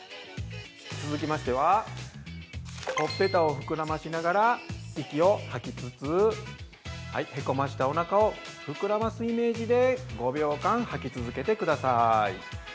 続きましてはほっぺたを膨らましながら息を吐きつつへこましたおなかを膨らますイメージで５秒間、吐き続けてください。